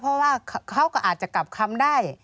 เพราะว่าเขาก็อาจจะกลับคำได้